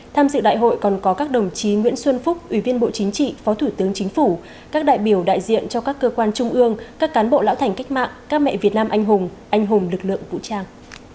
tham dự đại hội còn có các đồng chí nguyễn xuân phúc ủy viên bộ chính trị phó thủ tướng chính phủ các đại biểu đại diện cho các cơ quan trung ương các cán bộ lão thành cách mạng các mẹ việt nam anh hùng anh hùng lực lượng vũ trang